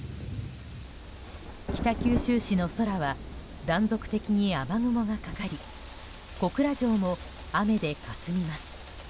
北九州市の空は断続的に雨雲がかかり小倉城も雨でかすみます。